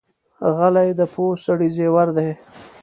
غلی، د پوه سړي زیور دی.